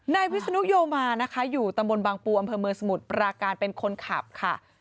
นายวิศนุโยมานะคะอยู่ตำบลบางปูอำเภอเมืองสมุทรปราการเป็นคนขับค่ะ